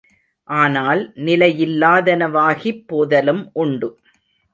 ஆனால் நிலையில்லாதனவாகிப் போதலும் உண்டு.